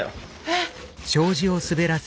えっ？